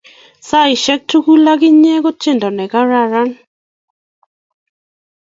saishek tugul ak inye ko tiendo ne karakaran